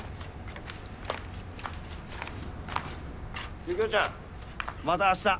ユキオちゃんまた明日。